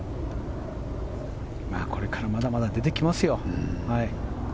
これからまだまだ出てきますよ。